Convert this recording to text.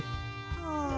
はあ。